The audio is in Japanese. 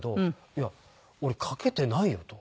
「いや俺かけていないよ」と。